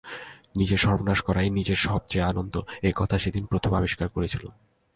নিজের সর্বনাশ করাই নিজের সব চেয়ে আনন্দ এই কথা সেদিন প্রথম আবিষ্কার করেছিলুম।